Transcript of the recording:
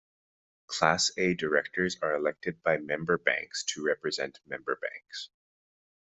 Class A directors are elected by member banks to represent member banks.